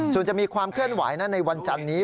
ส่วนจะมีความขึ้นหวายนะในวันจันนี้